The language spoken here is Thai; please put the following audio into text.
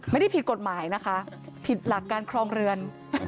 ไม่ได้ผิดกฎหมายนะคะผิดหลักการครองเรือน